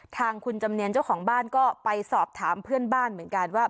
ทางคุณจำเนียนเจ้าของบ้านก็ไปสอบถามเพื่อนบ้านเหมือนกันว่า